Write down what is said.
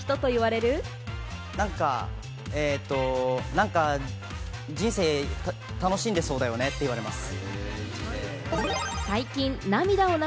なんか人生、楽しんでそうだよねって言われます。